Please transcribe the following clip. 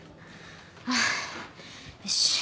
ああよし。